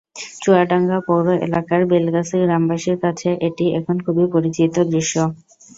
চুয়াডাঙ্গা পৌর এলাকার বেলগাছি গ্রামবাসীর কাছে এটি এখন খুবই পরিচিত দৃশ্য।